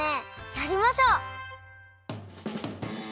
やりましょう！